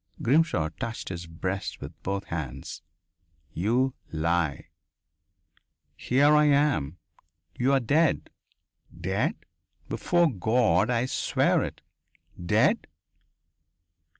Grimshaw touched his breast with both hands. "You lie. "Here I am." "You are dead." "Dead?" "Before God, I swear it." "Dead?"